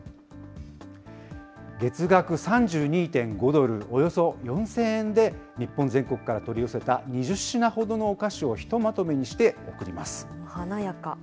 月額３２．５ドル、およそ４０００円で、日本全国から取り寄せた２０品ほどのお菓子をひとまとめにして送華やか。